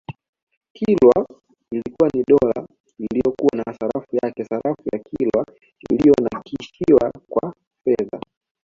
Kilwa ilikuwa ni dola iliyokuwa na sarafu yake sarafu ya Kilwa iliyonakishiwa kwa fedha